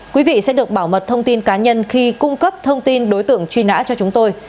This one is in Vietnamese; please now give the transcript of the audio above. quý vị sẽ được bảo mật thông tin cá nhân khi cung cấp thông tin đối tượng truy nã cho chúng tôi